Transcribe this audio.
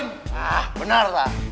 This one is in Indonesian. nah bener lah